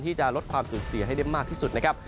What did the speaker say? ที่จะลดความสูญเสียให้ได้มากที่สุดนะครับ